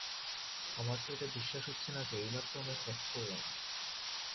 আমার তো এটা বিশ্বাস হচ্ছে না যে, এইমাত্র আমরা সেক্স করলাম।